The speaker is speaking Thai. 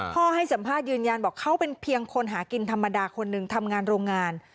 ให้สัมภาษณ์ยืนยันบอกเขาเป็นเพียงคนหากินธรรมดาคนหนึ่งทำงานโรงงาน